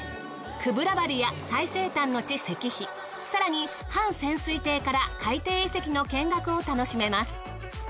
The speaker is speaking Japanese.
久部良バリや最西端之地石碑さらに半潜水艇から海底遺跡の見学を楽しめます。